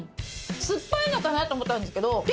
酸っぱいかなと思ったんですけど